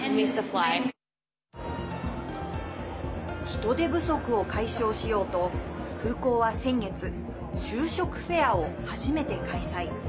人手不足を解消しようと空港は先月、就職フェアを初めて開催。